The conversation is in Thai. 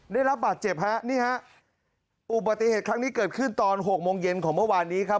ได้รับบาดเจ็บฮะนี่ฮะอุบัติเหตุครั้งนี้เกิดขึ้นตอนหกโมงเย็นของเมื่อวานนี้ครับ